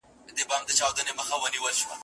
تیاره مالت وي پکښي خیر و شر په کاڼو ولي